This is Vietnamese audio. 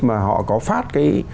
mà họ có phát